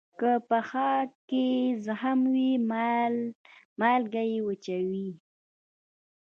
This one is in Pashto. که پښه کې زخم وي، مالګه یې وچوي.